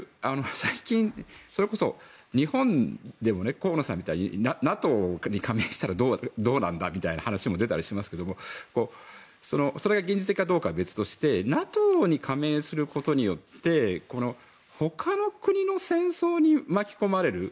最近それこそ日本でも河野さんみたいにＮＡＴＯに加盟したらどうなんだっていう話が出たりしますがそれが現実的かどうかは別としてＮＡＴＯに加盟することによって他の国の戦争に巻き込まれる。